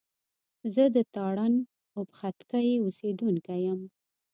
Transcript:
زه د تارڼ اوبښتکۍ اوسېدونکی يم